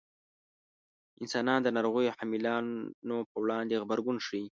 انسانان د ناروغیو حاملانو په وړاندې غبرګون ښيي.